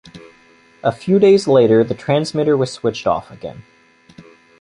A few days later, the transmitter was switched off again.